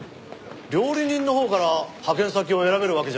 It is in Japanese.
料理人のほうから派遣先を選べるわけじゃあるまい。